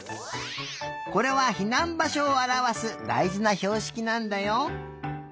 これはひなんばしょをあらわすだいじなひょうしきなんだよ。